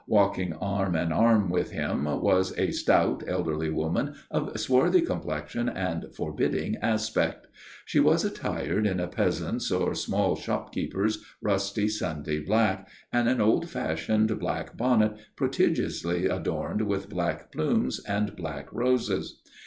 Walking arm in arm with him was a stout, elderly woman of swarthy complexion and forbidding aspect. She was attired in a peasant's or small shopkeeper's rusty Sunday black and an old fashioned black bonnet prodigiously adorned with black plumes and black roses.